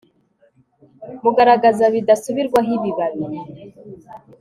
Mugaragaza bidasubirwaho ibibabi